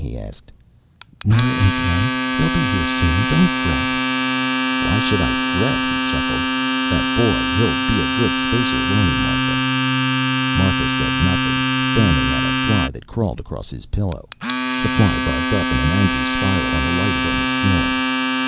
he asked. "Nora and Ken? They'll be here soon. Don't fret." "Why should I fret?" He chuckled. "That boy he'll be a good spacer, won't he, Martha?" Martha said nothing, fanned at a fly that crawled across his pillow. The fly buzzed up in an angry spiral and alighted on the ceiling.